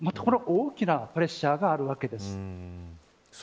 大きなプレッシャーがあるわけです。